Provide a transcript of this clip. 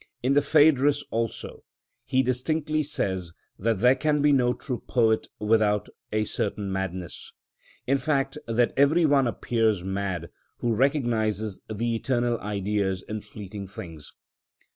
In the "Phædrus" also (p. 317), he distinctly says that there can be no true poet without a certain madness; in fact, (p. 327), that every one appears mad who recognises the eternal Ideas in fleeting things.